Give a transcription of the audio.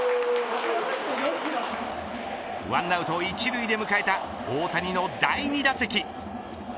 １アウト一塁で迎えた大谷の第２打席。